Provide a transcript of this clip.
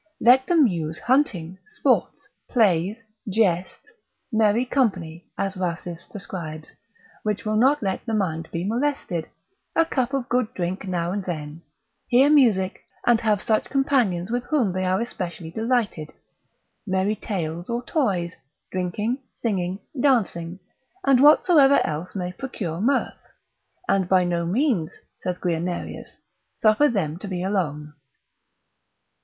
Let them use hunting, sports, plays, jests, merry company, as Rhasis prescribes, which will not let the mind be molested, a cup of good drink now and then, hear music, and have such companions with whom they are especially delighted; merry tales or toys, drinking, singing, dancing, and whatsoever else may procure mirth: and by no means, saith Guianerius, suffer them to be alone.